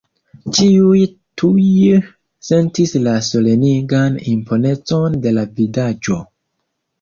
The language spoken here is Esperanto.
Ĉiuj tuj sentis la solenigan imponecon de la vidaĵo.